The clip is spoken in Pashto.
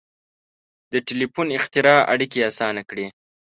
• د ټیلیفون اختراع اړیکې آسانه کړې.